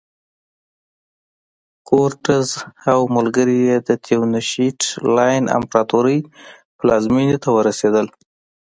کورټز او ملګري یې د تینوشیت لان امپراتورۍ پلازمېنې ته ورسېدل.